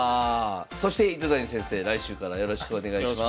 そして糸谷先生来週からよろしくお願いします。